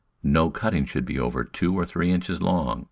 No cutting should be over two or three inches long.